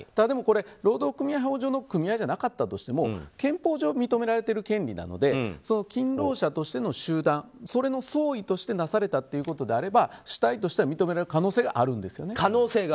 でも労働組合法上の組合じゃなかったとしても憲法上認められている権利なので勤労者としての集団それの総意としてなされたということであれば主体としては認められる可能性があるんです。